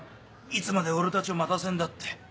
いつまで俺たちを待たせんだって。